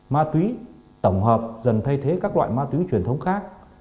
ma túy tổng hợp dần thay thế các loại ma túy truyền thống khác